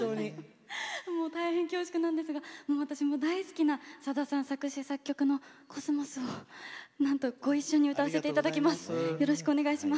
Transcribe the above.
大変恐縮なんですが私も大好きなさださん作詞・作曲の「秋桜」をなんとご一緒に歌わせていただきます。